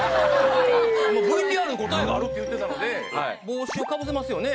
ＶＴＲに答えがあるって言ってたので帽子をかぶせますよね